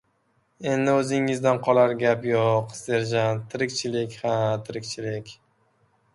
Endi, o‘zingizdan qolar gap yo‘q, serjant, tirikchilik, ha, tirikchilik!